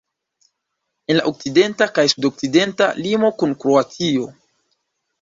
En la okcidenta kaj sudokcidenta limo kun Kroatio.